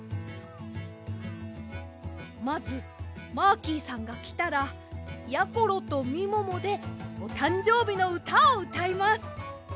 まずマーキーさんがきたらやころとみももでおたんじょうびのうたをうたいます！